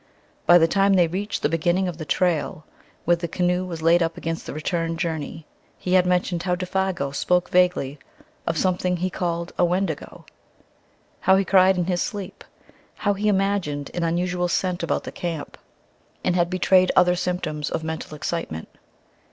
By the time they reached the beginning of the trail, where the canoe was laid up against the return journey, he had mentioned how Défago spoke vaguely of "something he called a 'Wendigo'"; how he cried in his sleep; how he imagined an unusual scent about the camp; and had betrayed other symptoms of mental excitement.